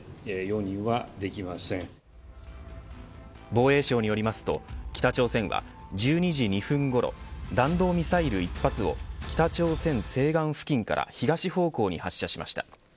防衛省によりますと北朝鮮は１２時２分ごろ弾道ミサイル１発を北朝鮮西岸付近から東方向に発射しました。